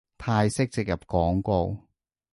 泰式植入廣告